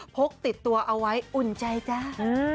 พกติดตัวเอาไว้อุ่นใจจ้า